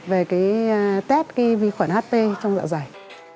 về cái test vi khuẩn hp trong dạ dày